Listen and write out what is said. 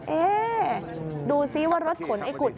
เอ๊ะดูซิว่ารถขนไอ้กุด